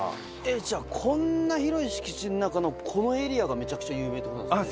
じゃあこんな広い敷地の中のこのエリアがめちゃくちゃ有名ってことなんですね。